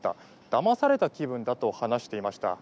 だまされた気分だと話していました。